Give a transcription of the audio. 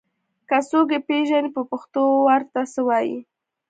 که څوک يې پېژني په پښتو ور ته څه وايي